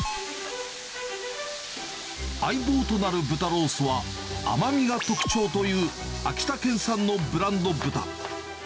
相棒となる豚ロースは、甘みが特徴という、秋田県産のブランド豚。